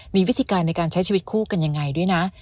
มีวิธีการในการใช้ชีวิตคู่กันยังไงด้วยนะ